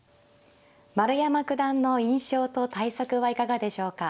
丸山九段の印象と対策はいかがでしょうか。